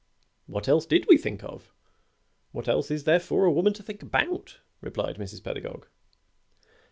"What else did we think of? What else is there for a woman to think about?" replied Mrs. Pedagog.